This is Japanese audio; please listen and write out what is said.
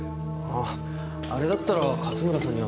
あぁあれだったら勝村さんに渡して。